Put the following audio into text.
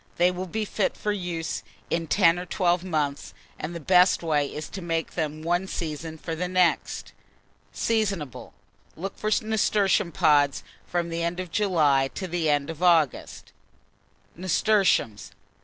They will be fit for use in 10 or 12 months; and the best way is to make them one season for the next. Seasonable. Look for nasturtium pods from the end of July to the end of August. [Illustration: NASTURTIUMS.